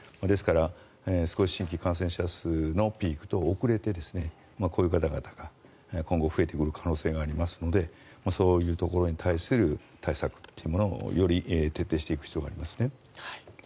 ですから、少し新規感染者数のピークと遅れてこういう方々が今後、増えてくる可能性がありますのでそういうところに対する対策をより徹底していく必要がありますね。